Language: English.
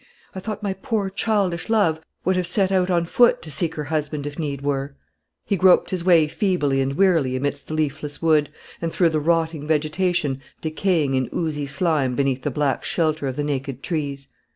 I thought my poor childish love would have set out on foot to seek her husband, if need were." He groped his way feebly and wearily amidst the leafless wood, and through the rotting vegetation decaying in oozy slime beneath the black shelter of the naked trees.